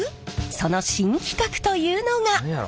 その新企画というのが。